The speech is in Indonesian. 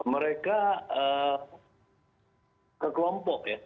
mereka ke kelompok ya